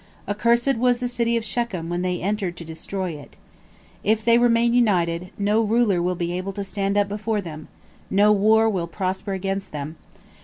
Accursed was the city of Shechem when they entered to destroy it. If they remain united, no ruler will be able to stand up before them, no war will prosper against them.